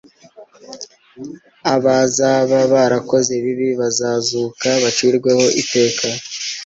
abazaba barakoze ibibi bazazuka bacirweho iteka.